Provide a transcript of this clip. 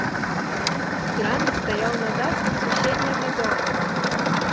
Кран стаяў на даху суседняга дома.